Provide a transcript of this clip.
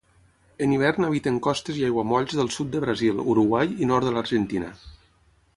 En hivern habiten costes i aiguamolls del sud de Brasil, Uruguai i nord de l'Argentina.